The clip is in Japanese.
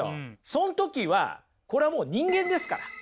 その時はこれはもう人間ですから。